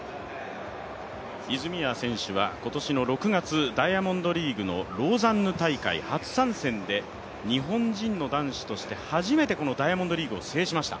泉谷選手は今年の６月、ダイヤモンドリーグのローザンヌ大会初参戦で日本人の男子としては初めてこのダイヤモンドリーグを制しました。